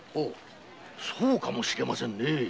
そうかもしれませんね。